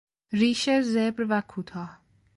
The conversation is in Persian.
ریش زبر و کوتاه